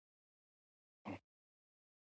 د خبرو له امله محبت رامنځته کېږي.